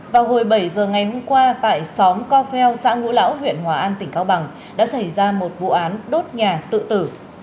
vào hồi bảy giờ ngày hôm qua tại xóm co pheo xã ngũ lão huyện hòa an tỉnh cao bằng đã xảy ra một vụ án đốt nhà tự tử